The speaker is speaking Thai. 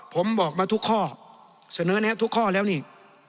ผมบอกมาทุกข้อเสนอแนะทุกข้อแล้วนี่